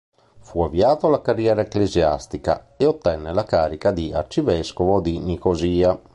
Fu avviato alla carriera ecclesiastica e ottenne la carica di arcivescovo di Nicosia.